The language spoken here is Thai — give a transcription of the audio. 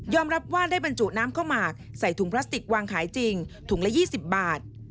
รับว่าได้บรรจุน้ำข้าวหมากใส่ถุงพลาสติกวางขายจริงถุงละ๒๐บาท